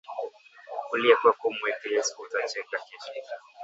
Kulia kwako umuwekee yesu uta cheka kesho